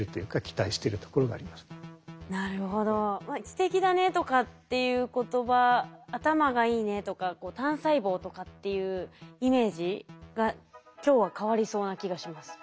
「知的だね」とかっていう言葉「頭がいいね」とか「単細胞」とかっていうイメージが今日は変わりそうな気がします。